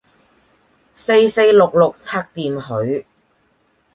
四四六六拆掂佢